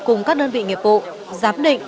cùng các đơn vị nghiệp vụ giám định